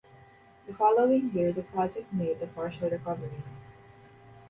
The following year the project made a partial recovery.